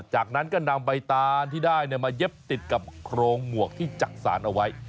จากนั้นก็นำใบตานที่ได้มาเย็บติดกับโครงหมวกที่จักษานเอาไว้